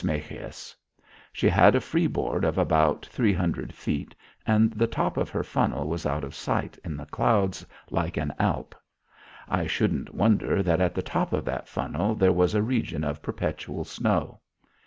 Machias. She had a freeboard of about three hundred feet and the top of her funnel was out of sight in the clouds like an Alp. I shouldn't wonder that at the top of that funnel there was a region of perpetual snow.